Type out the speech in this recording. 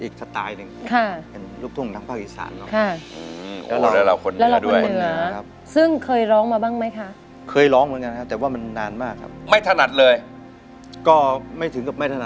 เขาเป็นติดตามอีกนิยามัน